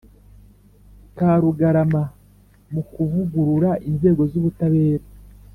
Karugarama, mukuvugurura inzego z’ubutabera